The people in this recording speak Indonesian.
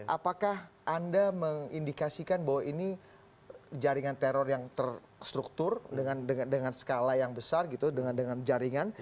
apakah anda mengindikasikan bahwa ini jaringan teror yang terstruktur dengan skala yang besar gitu dengan jaringan